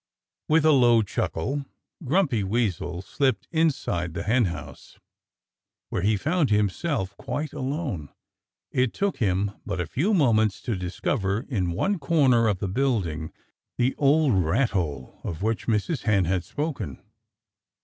With a low chuckle Grumpy Weasel slipped inside the henhouse, where he found himself quite alone. It took him but a few moments to discover in one corner of the building the old rat hole of which Mrs. Hen had spoken.